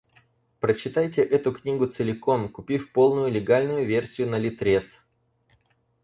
Прочитайте эту книгу целиком, купив полную легальную версию на ЛитРес.